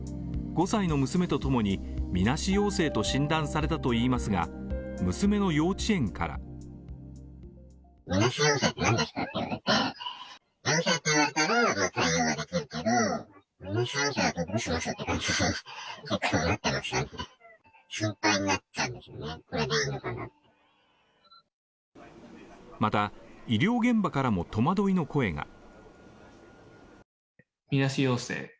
５歳の娘とともに、みなし陽性と診断されたといいますが、娘の幼稚園からまた医療現場からも、戸惑いの声が。